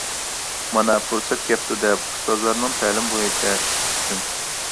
مانا پۇرسەت كەپتۇ دەپ ئۇستازلارنىڭ تەلىمى بويىچە ئىشقا چۈشتۈم.